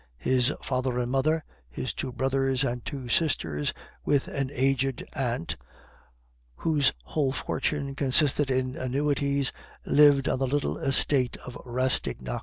His father and mother, his two brothers and two sisters, with an aged aunt, whose whole fortune consisted in annuities, lived on the little estate of Rastignac.